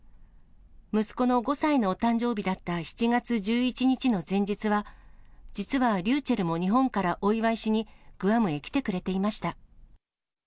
息子の５歳のお誕生日だった７月１１日の前日は、実はりゅうちぇるも日本からお祝いしにグアムへ来てくれていました。